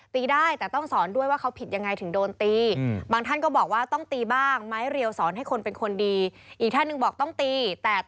ตีได้แต่ต้องสอนด้วยว่าเขาผิดยังไงถึงโดนตี